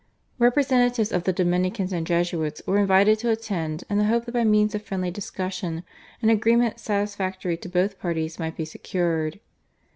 Representatives of the Dominicans and Jesuits were invited to attend in the hope that by means of friendly discussion an agreement satisfactory to both parties might be secured.